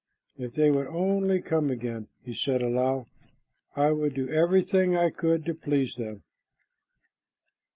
"If they would only come again," he said aloud, "I would do everything I could to please them."